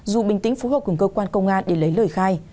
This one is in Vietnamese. dù bình tĩnh phối hợp cùng cơ quan công an để lấy lời khai